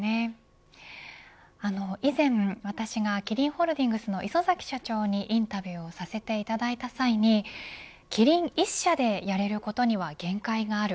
以前、私がキリンホールディングスの磯崎社長にインタビューをさせていただいた際にキリン１社でやれることには限界がある。